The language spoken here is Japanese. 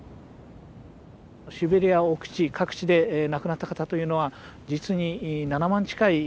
シベリア奥地各地で亡くなった方というのは実に７万近い数になるわけです。